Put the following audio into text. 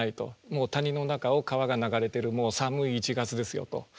もう谷の中を川が流れてるもう寒い１月ですよと。